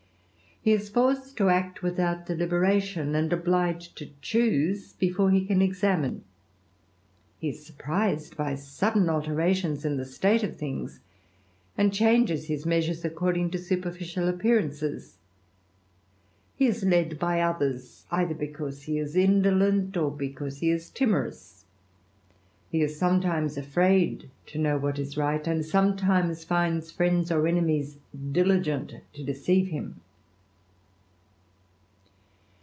He forced to act without deliberation, and obliged to ch before he can examine : he is surprised by sudden alfc tions of the state of things, and changes his measi according to superficial appearances ; he is led by oth either because he is indolent, or because he is timorous; is sometimes afraid to know what is right, and sometii finds fiiends or enemies diligent to deceive him.